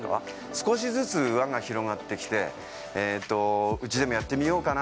少しずつ輪が広がってきてうちでもやってみようかな。